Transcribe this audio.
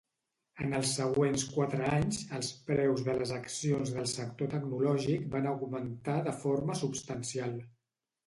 En els següents quatre anys, els preus de les accions del sector tecnològic van augmentar de forma substancial.